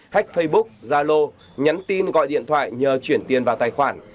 hách facebook zalo nhắn tin gọi điện thoại nhờ chuyển tiền vào tài khoản